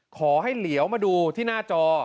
ขอให้เหลียวมาดูที่หน้าจอ